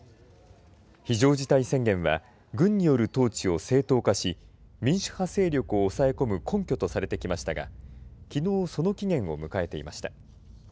非常事態宣言は軍による統治を正当化し民主派勢力を抑え込む根拠とされてきましたがきのうその期限を迎えていました。